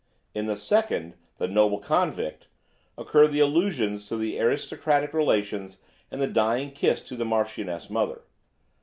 In the second, 'The Noble Convict,' occur the allusions to the aristocratic relations and the dying kiss to the marchioness mother.